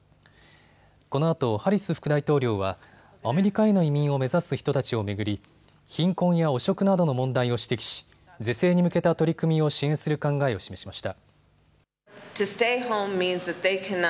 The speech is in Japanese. このあとハリス副大統領はアメリカへの移民を目指す人たちを巡り貧困や汚職などの問題を指摘し、是正に向けた取り組みを支援する考えを示しました。